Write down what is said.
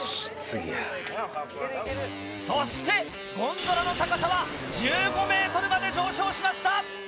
そしてゴンドラの高さは１５ｍまで上昇しました！